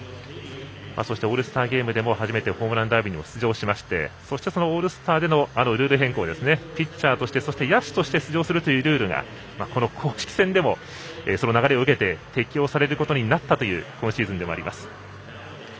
そしてオールスターゲームでも初めてホームランダービーにも出場しましてそのオールスターでのルール変更、ピッチャーとしてそして野手として出場するというルールがこの公式戦でもその流れを受けて適用されることになった今シーズンでもあります。